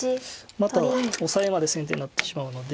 またオサエまで先手になってしまうので。